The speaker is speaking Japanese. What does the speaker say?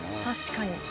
確かに。